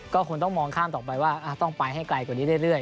ก็คงต้องมองข้ามต่อไปว่าต้องไปให้ไกลกว่านี้เรื่อย